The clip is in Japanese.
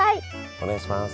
お願いします。